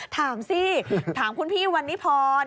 ถามคุณพี่วันนพร